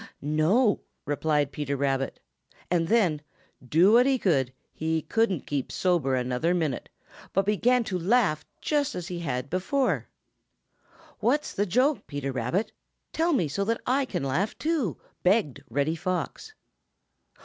"No," replied Peter Rabbit. And then, do what he would, he couldn't keep sober another minute, but began to laugh just as he had before. "What's the joke, Peter Rabbit? Tell me so that I can laugh too," begged Reddy Fox.